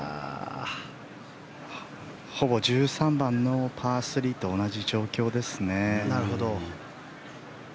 ほぼ１３番のパー３と同じ状況ですね。